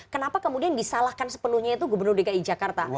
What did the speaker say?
kenapa kemudian disalahkan sepenuhnya itu gubernur dki jakarta